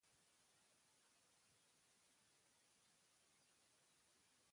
Proiektuan ez dago beste buruzagirik.